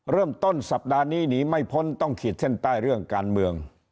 เริ่มต้นสัปดาห์นี้หนีไม่พ้นต้องขีดเส้นใต้เรื่องการเมือง